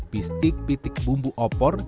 pistik pitik bumbu opor